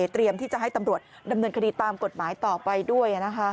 เตรียมที่จะให้ตำรวจดำเนินคดีตามกฎหมายต่อไปด้วย